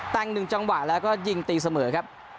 แต่ง๑จังหวะแล้วก็ยิงตีเสมอครับ